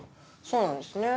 そうなんですね。